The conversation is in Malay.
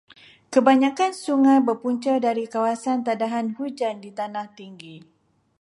Kebanyakan sungai berpunca dari kawasan tadahan hujan di tanah tinggi.